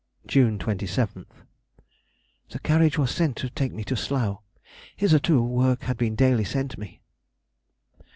June 27th.—The carriage was sent to take me to Slough. Hitherto work had been daily sent me.